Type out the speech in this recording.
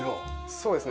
そうですね。